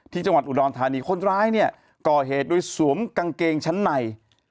ที่จังหวัดอุดรธานีคนร้ายเนี่ยก่อเหตุโดยสวมกางเกงชั้นใน